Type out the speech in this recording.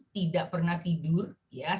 tidak pernah tidur selama dua puluh tujuh hari